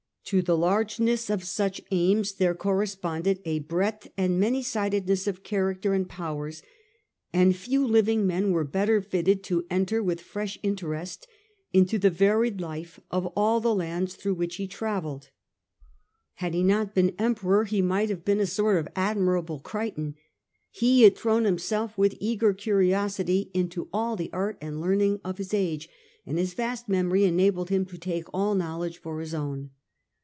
To the largeness of such aims there corresponded a breadth and manysidedness of character and powers ; and few living men were better fitted to enter with fresh interest into the varied life of all the lands through which he travelled 54 The Age oj the Aiitonines, a.d. Had he not been emperor he might have been a sort of * admirable Crichton/ He had thrown himself with eager curiosity into all the art and learning of his age, and his vast memory enabled him to take all knowledge for his showing in own.